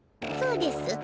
そうです。